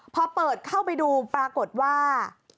พอเปิดเข้าไปดูปรากฏว่า